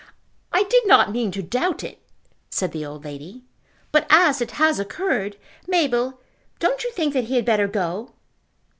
"I did not mean to doubt it," said the old lady. "But as it has occurred, Mabel, don't you think that he had better go?"